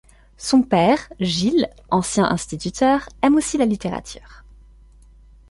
Son père, Gilles, ancien instituteur, aime aussi la littérature.